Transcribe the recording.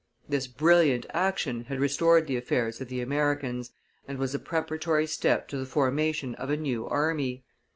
This brilliant action had restored the affairs of the Americans, and was a preparatory step to the formation of a new army.